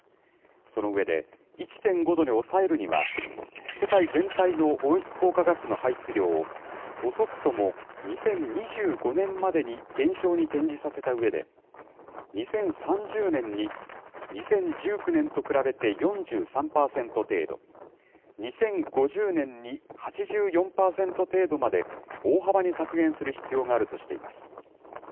その上で、１．５度に抑えるには、世界全体の温室効果ガスの排出量を、遅くとも２０２５年までに減少に転じさせたうえで、２０３０年に、２０１９年と比べて４３％程度、２０５０年に８４％程度まで大幅に削減する必要があるとしています。